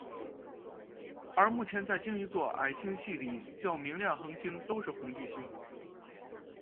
而目前在鲸鱼座矮星系里较明亮恒星都是红巨星。